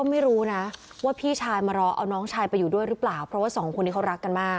อายุ๖ขวบซึ่งตอนนั้นเนี่ยเป็นพี่ชายมารอเอาน้องชายไปอยู่ด้วยหรือเปล่าเพราะว่าสองคนนี้เขารักกันมาก